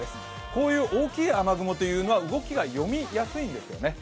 こういう大きい雨雲というのは動きが読みやすいんですよね。